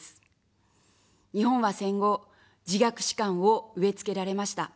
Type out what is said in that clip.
日本は戦後、自虐史観を植えつけられました。